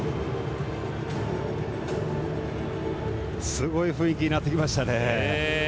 すごい雰囲気になってきましたね。